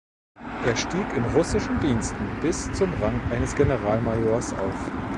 Er stieg in russischen Diensten bis zum Rang eines Generalmajors auf.